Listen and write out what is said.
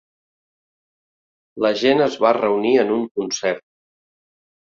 La gent es va reunir en un concert.